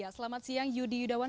selamat siang yudi yudawan